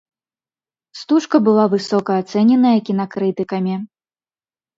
Стужка была высока ацэненая кінакрытыкамі.